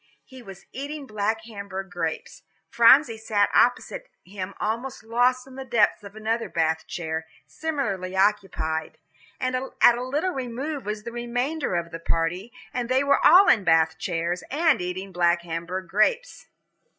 He was eating black Hamburg grapes. Phronsie sat opposite him almost lost in the depth of another Bath chair, similarly occupied. And at a little remove was the remainder of the party, and they all were in Bath chairs, and eating black Hamburg grapes.